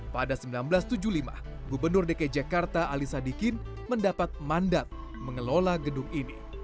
pada seribu sembilan ratus tujuh puluh lima gubernur dki jakarta ali sadikin mendapat mandat mengelola gedung ini